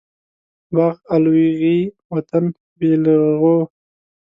باغ الو غيي ،وطن بيلرغو.